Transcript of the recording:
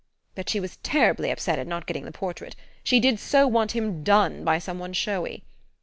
But she was terribly upset at not getting the portrait she did so want him 'done' by some one showy!